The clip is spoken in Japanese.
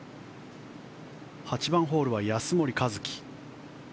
８番ホールは安森一貴。